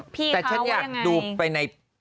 พี่เขาว่าอย่างไรแต่ชั้นอยากดูไปใน